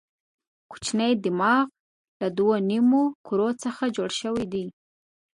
کوچنی دماغ له دوو نیمو کرو څخه جوړ شوی دی.